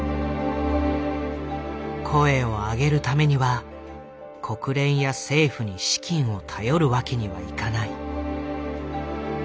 声を上げるためには国連や政府に資金を頼るわけにはいかない。